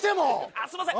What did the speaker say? あっすんません